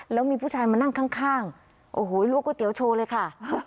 แล้วมีผู้ชายมานั่งข้างโอ้โหลวกก๋วโชว์เลยค่ะ